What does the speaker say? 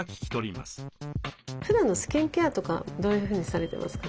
ふだんのスキンケアとかどういうふうにされてますか？